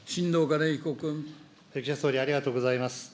岸田総理、ありがとうございます。